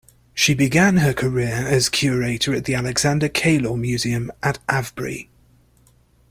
She began her career as curator at the Alexander Keillor Museum at Avebury.